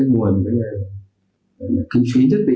nguồn kinh phí